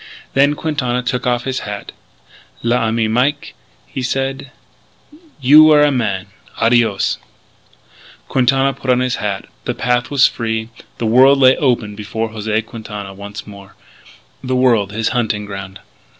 Then Quintana took off his hat. "L'ami Mike," he said, "you were a man!... Adios!" Quintana put on his hat. The path was free. The world lay open before José Quintana once more; the world, his hunting ground.